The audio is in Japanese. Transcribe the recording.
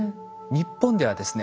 日本ではですね